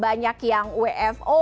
banyak yang wfo